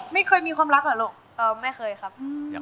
ไม่เคยมีความรักเหรอละล่ะ